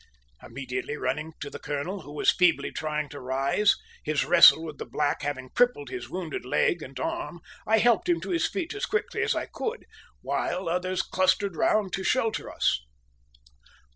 Immediately running up to the colonel, who was feebly trying to rise, his wrestle with the black having crippled his wounded leg and arm, I helped him to his feet as quickly as I could, while others clustered round to shelter us.